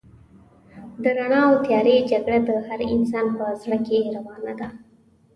د رڼا او تيارې جګړه د هر انسان په زړه کې روانه ده.